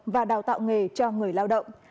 và đào tạo nghề cho người lao động